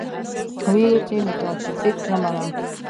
وې ئې چې ميټافزکس نۀ منم -